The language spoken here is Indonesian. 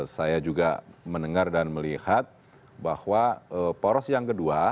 saya juga mendengar dan melihat bahwa poros yang kedua